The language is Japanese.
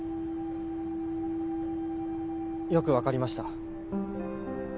よく分かりました。